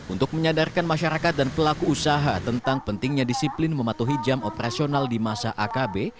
untuk menyadarkan masyarakat dan pelaku usaha tentang pentingnya disiplin mematuhi jam operasional di masa akb